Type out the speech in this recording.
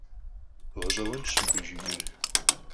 ГъэщӀэгъуэнщ мыбы жиӀэр!